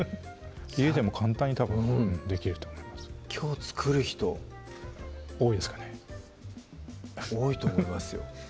家でも簡単にたぶんできると思いますきょう作る人多いですかね多いと思いますよ